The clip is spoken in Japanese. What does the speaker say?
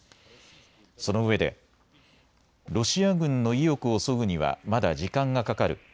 そのうえでロシア軍の意欲をそぐにはまだ時間がかかる。